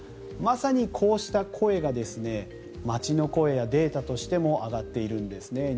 まさにこうした声が街の声やデータとしても挙がっているんですね。